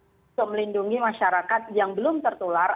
untuk melindungi masyarakat yang belum tertular